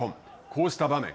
こうした場面。